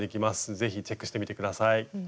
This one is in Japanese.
是非チェックしてみて下さい。